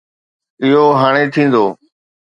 اهو هاڻي ٿيندو